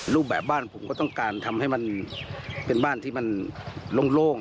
รูปแบบบ้านผมก็ต้องการทำให้มันเป็นบ้านที่มันโล่ง